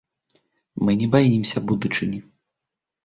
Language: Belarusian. Мы не баімся будучыні.